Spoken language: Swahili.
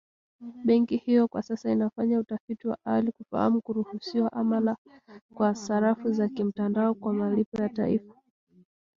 Benki hiyo kwa sasa inafanya utafiti wa awali kufahamu kuruhusiwa ama la kwa sarafu za kimtandao kuwa malipo ya taifa.